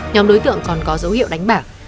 nhóm đối tượng còn có dấu hiệu đánh bạc